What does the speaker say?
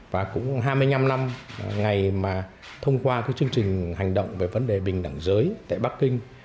và cũng hai mươi năm năm ngày mà thông qua chương trình hành động về vấn đề bình đẳng giới tại bắc kinh